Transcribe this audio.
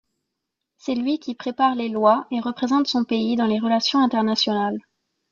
C'est lui qui prépare les lois et représente son pays dans les relations internationales.